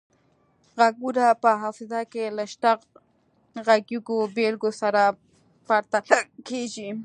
غږونه په حافظه کې له شته غږیزو بیلګو سره پرتله کیږي